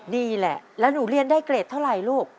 นี่แหละแล้วหนูเรียนได้เกรดเท่าไหร่ลูก